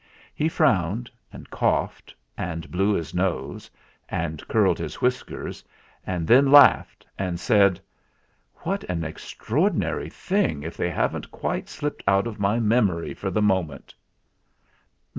He frowned, and coughed, and blew his nose, and curled his whiskers, and then laughed and said: "What an extraordinary thing if they haven't quite slipped out of my memory for the moment